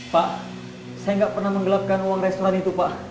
pak saya nggak pernah menggelapkan uang restoran itu pak